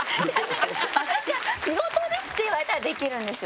私は「仕事です」って言われたらできるんですよ。